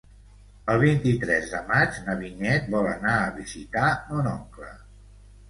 El vint-i-tres de maig na Vinyet vol anar a visitar mon oncle.